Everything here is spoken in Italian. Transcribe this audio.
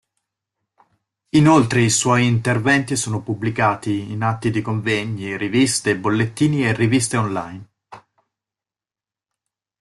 Inoltre, suoi interventi sono pubblicato in atti di convegni, riviste, bollettini e riviste online.